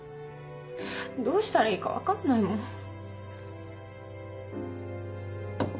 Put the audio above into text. どうしたらいいか分かんないもん。